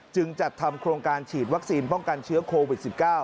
จัดทำโครงการฉีดวัคซีนป้องกันเชื้อโควิด๑๙